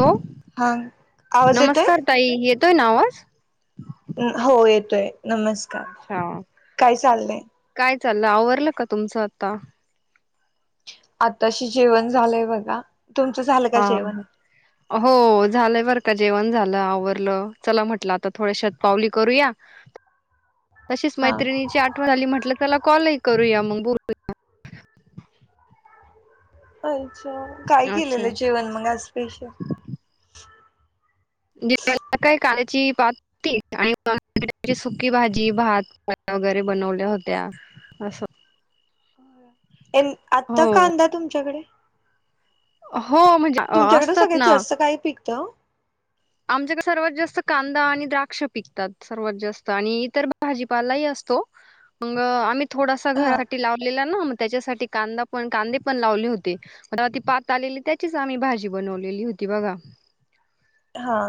Hello. हां. आवाज येतोय‌. ताई! येतोय ना आवाज? हो येतोय. नमस्कार! अच्छा! काय चाललंय काय चाललंय आवरलं का तुमचं आता? आताशी जेवण झालंय बघा. तुमचं झालं? का हा‌ [inaudible] हो झालंय बरं का जेवण झालं आवरलं. चला म्हटलं आता थोड्या शतपावली करूया. तशीच हा मैत्रिणीची आठवण आली. म्हटल चला कॉल ही करूया मग बोलू अच्छा! काय अच्छा. केलेलं जेवण मग आज स्पेशल? [unintelligible] पात [unintelligible] आणि सुकी भाजी, भात, चपात्या वगैरे बनवल्या होत्या. असं. आता हो. कांदा तुमच्याकडे? हो म्हणजे तुमच्याकडे असतात सगळ्यात ना. जास्त काय पिकतं. आमच्याकडे सर्वात जास्त कांदा आणि द्राक्ष पिकतात सर्वात जास्त आणि इतर भाजीपालाही असतो. मंग आम्ही थोडासा हा घरासाठी लावलेला ना त्याच्यासाठी कांदा पण कांदे पण लावले हुते. परवा ती पात आलेली त्याचीच आम्ही भाजी बनवलेली होती बघा. हा.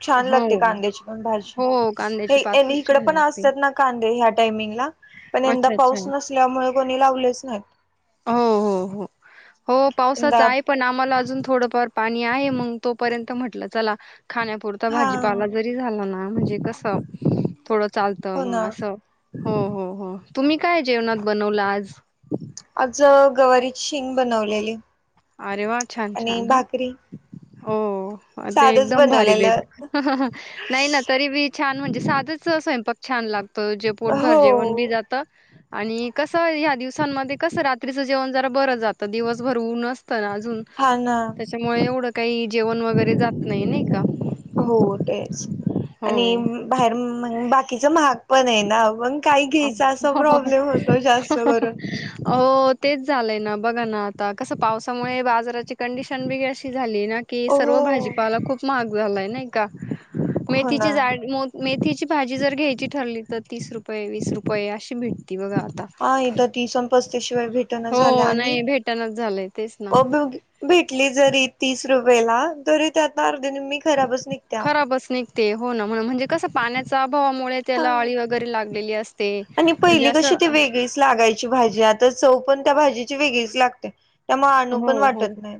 छान हो लागते कांद्याची पण भाजी. हो हे कांद्याची पात येणी खूप इकडे छान पण लागते. असतात ना कांदे ह्या टायमिंग ला पण यंदा अच्छा अच्छा पाऊस नस त्यामुळे कोणी लावलेच नाहीत. हो हो हो पावसाच यंदा आहे. पण आम्हाला अजून थोडंफार पाणी आहे मग तोपर्यंत म्हटलं चला खाण्यापुरता हा भाजीपावला ज ते झालं ना म्हणजे कस थोडं चालत हो मग ना अस हो हो हो. तुम्ही काय जेवणात बनवलं आज? आज गवारीची शिंग बनवलेली. अरे वा! छान! आणि छान! भाकरी हो. अ ते साधच एकदम भारी बनवलेलं भेटत. नाही ना तरी बी छान म्हणजे साधच स्वयंपाक छान लागतो. जे पोटभर हो जेवण बी जात आणि कस ह्या दिवसांमध्ये कस रात्रीच जेवण जरा बर जातं दिवसभर ऊन अस तर अजून. हा ना. मग एवढं काही जेवण वगैरे जात नाही. नाही का? हो तेच आणि हो. बाहेर बाकीच महाग पण आहे ना बग काही घ्यायच असा प्रॉब्लेम होतो जास्त करून. हो तेच झालंय ना बघा ना आता कस पावसामुळे बाजाराची कंडिशन वेगळी झालीय ना की हो सर्व भाजीपाला खूप महाग झालाय नाही का. हो ना मेथीचीच आज मेथीची भाजी जर घ्यायची ठरली तर तीस रुपये वीस रुपये अशी भेटती बघा आता. पहा एकदा तीस आणि पस्तीस त्याशिवाय भेटण झाल्या हो आणि नाही भेटणच झालंय तेच ना अ भेटली जरी तीस रुपयेला तरी त्यात अर्धी निमी खराबच निघत्या. बस निघते हो ना म्हण म्हणजे कस पाण्याच्या अभावामुळे हा त्याला अळी वगैरे लागलेली असते आणि ते म्हणजे पहिली असं. [unintelligible] वेगळीच लागायची भाजी आता चव पण त्या भाजीची वेगळीच लागते. त्यामुळे आणू हो पण हो. वाटत नाही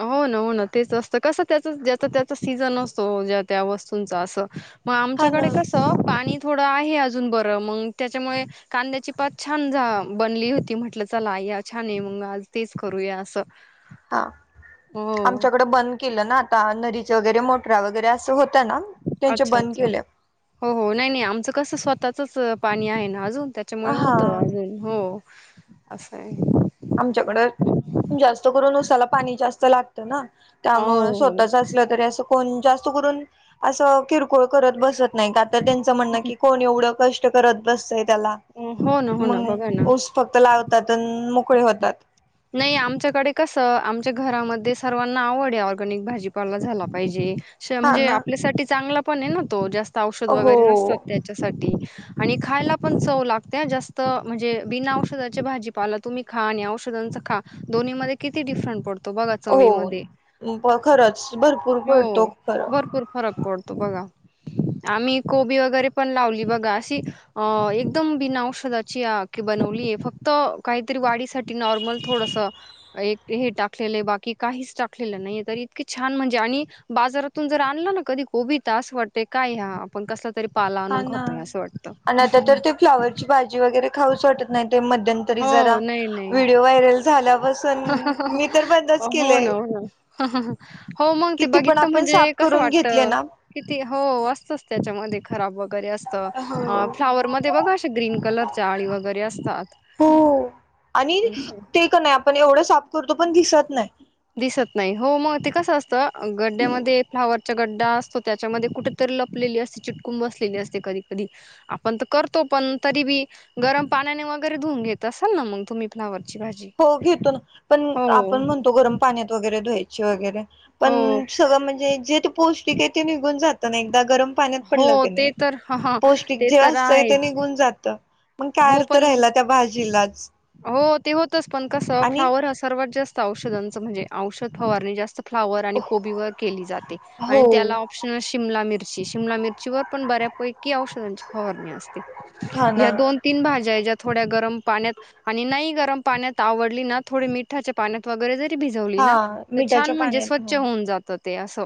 हो ना हो ना तेच असतं कसं त्याच ज्याचा त्याचा सीजन असतो ज्या त्या वस्तूंचा असं मग हा आमच्याकडे ना कसं पाणी थोडं आहे अजून बरं मग त्याच्यामुळे कांद्याची पात छान बनली होती म्हटलं चला या छान आहे मग आज तेच करूया. स हा आमच्याकडें बंद केलं ना आता नदीच वगैरे मोटरा वगैरे असं होत अच्छा अच्छा, हो हो नाही नाही आमचं कसं स्वतःचच पाणी आहे ना अजून त्या त्यामुळे हा होत अजून हो असंय आमच्याकड जास्त करून उसाला पाणी जास्त लागतं ना हो, त्यामुळे हो. स्वतचा अस [unintelligible] अस जास्त करून अस किरकोळ करत बसत नाही त्यांच म्हण की कोण एवढं कष्ट करत बसतंय त्याला हो ना, हो ना. मग बघा ना. फक्त लावतात आणि मोकळे होतात. नाही आमच्याकडे कसं आमच्या घरामध्ये सर्वांना आवड आहे ऑर्गॅनिक भाजीपाला झाला पाहिजे. हा म्हणजे ना आपल्यासाठी चांगला पण आहे ना तो जास्त औषध हो वगैरे नसतात त्या आमच्यासाठी आणि खायला पण चव लागत्या जास्त म्हणजे बिन आवश्यादाचे भाजी तुम्ही खा आणि औषधांचा खा दोनी मध्ये किती डिफरंट पडतो बघा चवी मध्ये हो खरंच भरपूर पडतो हो खरं भरपूर फरक पडतो बघा आम्ही कोबी वगैरे पण लावली बघा अशी अ एकदम बिन औषधाची की बनवलीय फक्त काहीतरी वाढीसाठी नॉर्मल थोडस एक हे टाकलेलं आहे बाकी काहीच टाकलेलं नाहीये तर इतके छान म्हणजे आणि बाजारातून जर आणला ना कधी कोबी त अस वाटते काय हा आपण कस तरी पाला हा आणनू ना खातोय असं वाटत आणि आता तर ते फ्लावरची भाजी वगैरे खाऊस वाटत नाही ते मध्यंतरी हो जरा नाही नाही. व्हिडिओ व्हायरल झाल्या पासून पण मी तर बंदच हो केलय ना हो ना. हो मग ते किती पण बघितलं आपण साफ म्हणजे कसं करून घेतले वाटतं. ना किती हो असतच त्याच्यामध्ये खराब वगैरे असत अं अं हो फ्लाॉवर मध्ये बघा अशा ग्रीन कलरच्या आळी वगैरे असतात. हो आणि अच्छा, ते का नाही आपण एवढं साफ करतो पण दिसत नाही. दिसत नाही हो मग ते कसं असतं गड्डयामध्ये फ्लावर गड्डा असतो त्याच्यामध्ये कुठेतरी लपलेली असते चिटकून बसलेली असते कधी कधी आपण तर करतो पण तरी बी गरम पाण्याने वगैरे धुऊन घेत असाल ना मग तुम्ही फ्लॉवरची भाजी हो घेतो ना पण हो आपण म्हणतो गरम पाण्यात वगैरे धुवायची वगैरे हो पण सगळं म्हणजे जे ते पौष्टिक आहे ते निघून जात पण एकदा गरम पाण्यात हो पडलं की ते नाही तर ह पौष्टिक ते जे तर असतंय ते आहेच निघून जात मग काय हो अर्थ पण राहिला त्या भाजीलाच हो ते होतच पण कसं आणि फ्लॉवर हा सर्वात जास्त औषधांचं म्हणजे औषध फवारणी जास्त फ्लॉवर आणि कोबीवर केली जाते हो आणि त्याला शि शिमला मिरची शिमला मिरची वर पण बऱ्यापैकी औष [inaudible] फवारणी असते हा ना या दोन तीन भाज्या ज्या थोड्या गरम पाण्यात आणि नाही गरम पाण्यात आवडली ना थोडे मिठाच्या पाण्यात वगैरे जरी भिजवली हा ना तर मिठाच्या छान म्हणजे पाण्यात स्वच्छ हो होऊन जातं ते असं!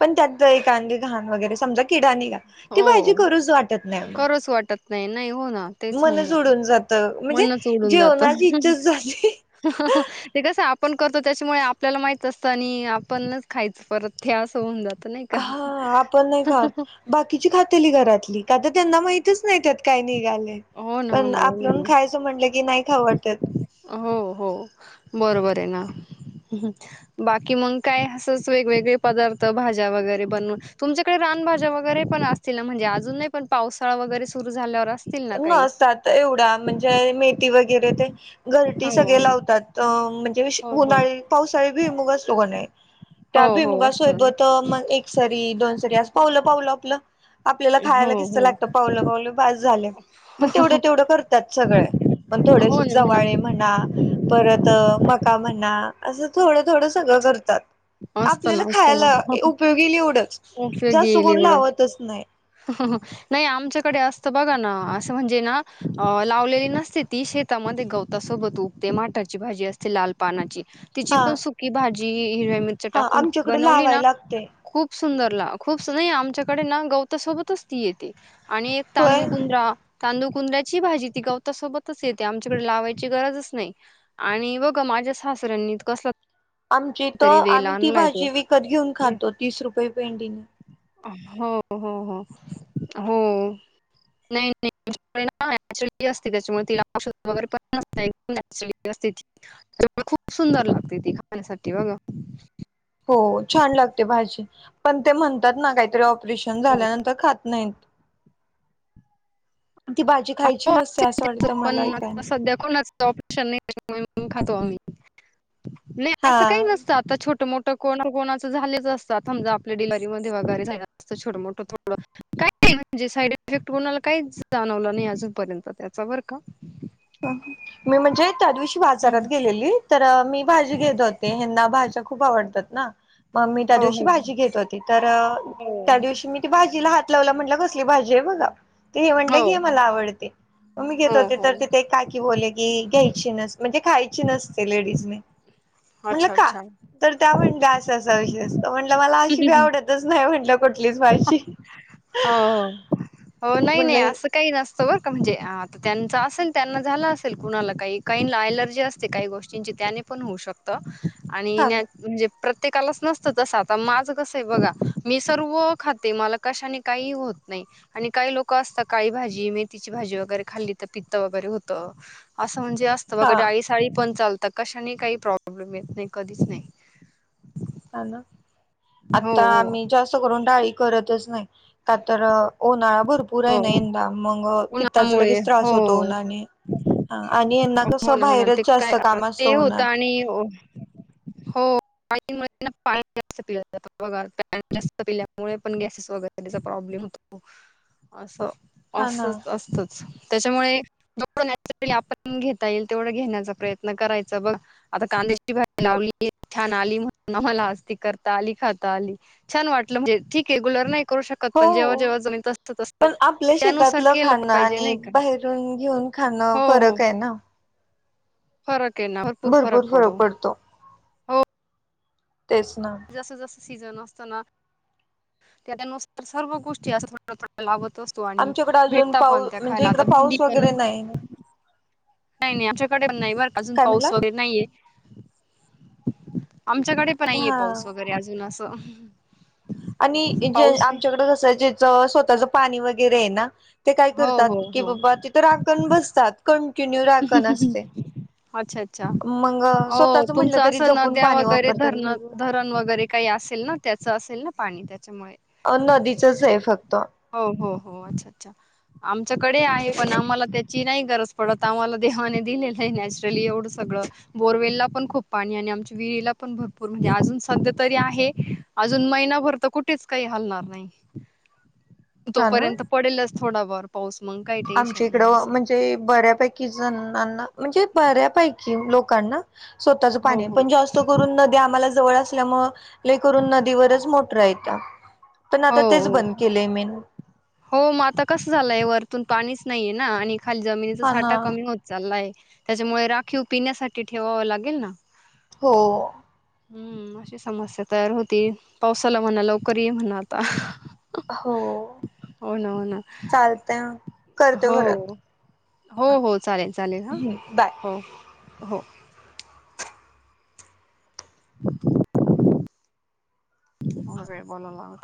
पण त्यात एखादी घाण वगैरे समजा किडा आणि ती हो भाजी करूच वाटत नाही करूच वाटत नाही नाही हो ना मग तेच होऊन मनच जातं उडून जात. त म्हणजे मनच जेवणाची इच्छा झाली. ह. [unintelligible] ते कसं आपण करतो त्याच्यामुळे आपल्याला माहित असतं आणि आपणच खायचं परत हे असं होऊन जात. ते नाही का हा आपण नाही हां खात हां! बाकीची खातेली घरातली का तर त्यांना माहितच नाही त्यात काय निघालय. हो ना हो पण ना आपण बरोबर आहे. खायचं म्हटलं की नाही खाऊ वाटत. हो हो बरोबर आहे ना हं! बाकी मग काय असंच वेगवेगळे पदार्थ भाज्या वगैरे बनवून तुमच्याकडे रानभाज्या वगैरे पण अस. तिला म्हणजे अजून नाही पण पावसाळा वगैरे सुरु झाल्यावर असतील. ना काही? नसतात एवढ्या म्हणजे मेथी वगैरे ते. घरटी हो सगळे हो लावतात अं म्हणजे हो हो. उन्हाळी पावसाळी भुईमूग असतो की नाही. त्या हो हो भुईमूगा असतो ना सोबत मग एक. सरी दोन सरी अस पावलं पावलं आपलं आपल्याला हो खायला कितस हो लागतं पावलं पावलं बास झाल. मग तेवढं तेवढं करतात सगळ्या पण थोडेसे हो ना हो ना चवाळे. म्हणा परत मका म्हणा असं थोडं थोडं सगळं करतात. असतं आपल्याला ना असतं ना खायला उपयोगी येईल एवढंच जास्त कोण लावतच नाही. ह. [unintelligible] नाही आमच्याकडे असतं बघा ना असं म्हणजे ना अं लावलेली नसते ती शेत. त्यामध्ये गवतासोबत उगते माटाची भाजी असते लाल पानाची. तिची हा पण सुकी भाजी हिरव्या मिरच्या हा टाकून आमच्याकडे बनवली लावाय ना? लागते खूप सुंदरला खूप नाही आमच्याकडे ना गवतासोबतच ती येते आणि एक. होय तांंदुकुंद्रा. तांदूळ कुंद्र्याची भाजी ती गवतासोबतच येते आमच्याकडे लावायची गरजच नाही. आणि बघा माझ्या सासऱ्यांनी कसला? आमची इथ तरी वेल आम्ही ती आणलाय तो भाजी विकत घेऊन खातो तीस रुपये पेंडीने. आम्हाला होहो हो. नाही नाहीली असते त्याच्यामुळे तिला औषध वगैरे पण न. [unintelligible] नॅचरली असते ती त्यामुळे खूप सुंदर लागते ती खाण्यासाठी बघा. हो छान लागते भाजी पण ते म्हणतात ना काहीतरी, ऑपरेशन झाल्यानंतर खात नाहीत. [unintelligible] ती भाजी खायची हो नसते असं वाटतं मला ऐकाय. परेशन नाही खातो आम्ही नाही असं काही हा नसतं आता छोट मोठ. को कोणाच झालेच असतात, समजा आपल्या डिलरी ममध्ये वगैरे झा असतं छोट मोठं थोडं. काही नाही म्हणजे साईड इफेक्ट कोणाला काही जाणवलं नाही अजूनपर्यंत त्याचा बर का! अं मी म्हणजे त्या दिवशी बाजारात गेलेली तर, मी भाजी घेत होते हना भाज्या खूप आवडतात ना! मग मी त्या हो दिवशी हो भाजी घेत होती, तर त्या दिवशी मी. भाजीला हात लावला म्हटलं कसली भाजी आहे बघा. ते हे म्हणलं की हो हे मला आवडते. मग मी घेत हो होते हो तर हो तिथे काय की बोलले की घ्यायची नसते. म्हणजे खायची नसते लेडीजे म्हटलं अच्छा का? अच्छा तर त्या म्हणल्या असं असा विषय असत, म्हटलं मला अशी बी आवडतच नाही म्हटलं. कुठलीच माझी. हो हो, हो नाही-नाही अस काही नसतं बर का, म्हणजे आ त्यांचं असेल त्यांना झाला असेल कुणाला काही काहीला एलर्जी असते काही गोष्टी ची त्याने पण होऊ शकतं, आणि हा न ना म्हणजे प्रत्येकालाच नसतं तसं आता माझं कसं आहे बघा मी सर्व खाते मला कशाने काही होत नाही. आणि काही लोक असतात काळी भाजी, मेथीची भाजी वगैरे खाल्ली तर पित्त वगैरे होतं. असं म्हणजे असतं बघ हा डाळी-साळी पण चालता कशाने, काही प्रॉब्लेम येत नाही कधीच नाही. हॅलो, हो आता हो आम्ही जास्त करून डाळी करतच नाही का तर उन्हाळा भर पूर हो आहे ना हो. यंदा मग पित्ताचा उन्हामुळे लगेच त्रास होतो हो उन्हाने, हा आणि यांना हो कसं ना हो ना ते बाहेरच जास्त काय काम ते असतं होतं उन्हात. आणि हो. काय-काय [unintelligible] बघा पाणी जास्त पिल्यामुळे पण गॅसेस वगैरेचा प्रॉब्लेम होत. असं हा ना असच असतच. त्याच्यामुळे [unintelligible] नॅचरली आपण घेता येईल तेवढं घेण्याचा प्रयत्न करायचा बघा. आता कांद्याची भाजी लावली, छान आली म्हणून आम्हांला आज करता आली, खाता आली. छान वाटलं म्हणजे ठीक रेगुलर नाही करू शकत हो. पण जेव्हा जेव्हा जमेल तसं चल असतं, पण आपल्या त्यानुसार शेतातलं केलं खाणं पाहिजे आणि नाही का, बाहेरून घेऊन खाणं हो. हो. फरक आहे ना. फरक आहे ना, भरपूर फरक पडू. तेच ना. जसं-जसं सीझन असतं ना त्यानुसार सर्व गोष्टी असं थोड-थोड्या लावत असतो. तो आणि आमच्याकडे अजून भेटता पाऊ पण त्या म्हणजे खायला इकड आता भेंडी पाऊस पण वगैरे नाही नाही -नाही आमच्याकडे नाही बरं का, अजून काय म्हणला पाऊस वगैरे नाहीये आमच्याकडे. पण नाहीये हा पाऊस वगैरे अजून असं, आणि जे पाऊस आहे. आमच्याकडे कसं जच स्वतःच पाणी वगैरे आहे ना, ते काय हो करतात, हो की हो बाबा तिथं राखण बसतात कंटिन्यू राखण असते. अच्छा, अच्छा, मग हो स्वतःच म्हटलं तुमचं तरी असं जपून नद्या पाणी वगैरे वापरतात धरणं, भरपूर धरण वगैरे काही असेल ना, त्याचं असेल ना पाणी, त्याच्यामुळे. अ नदीचच आहे फक्त. हो, हो, हो अच्छा-अच्छा आमच्याकडे आहे पण आम्हांला त्या ची नाही गरज पडत आम्हांला देवाने दिलेलं आहे नॅचरली एवढं सगळं. बोरवेलला पण खूप पाणी आणि आमच्या विहिरीला पण भरपूर म्हणजे अजून सध्या तरी आहे. अजून महिनाभर तर कुठेच काही हालणार नाही. हा ना तोपर्यंत पडेलच थोडा वार पाऊस मग काही नाही. टेन्शन आमच्या इकडं असं म्हणजे बऱ्यापैकी जणांना म्हणजे बऱ्यापैकी लोकांना, स्वतःच हो पाणी हाय हो पण जास्त करून नदी आम्हांला जवळ असल्यामुळे, लई करून नदीवरच मोटरा हो हायत्या, पण हो आता तेच हो बंद केलेय मेन. हो मग आता कसं झालंय, वरतून पाणीच नाहीये ना आणि खाली जमिनीचा हा ना साठा कमी होत चाललाय त्याच्यामुळे राखीव पिण्यासाठी ठेवावं लागेल ना. हो. हूं अशी समस्या तयार होती, पावसाला म्हणा लवकर ये म्हणा आता. हो. ््् होना, होना. चालतंय मग. हो, हो, हो,...... हो. हो. चालेल -चालेल हां, बाय हो. [inaudible] [unintelligible]